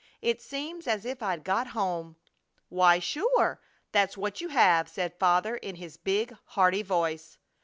It seems as if I'd got home!" "Why, sure! That's what you have!" said Father, in his big, hearty voice.